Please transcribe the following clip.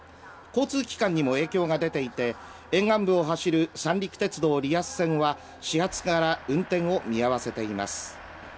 交通機関にも影響が出ていて沿岸部を走る三陸鉄道リアス線は始発から運転を見合わせています。